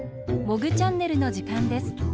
「モグチャンネル」のじかんです。